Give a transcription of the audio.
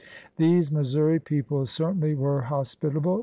These Missouri people certainly were hospitable.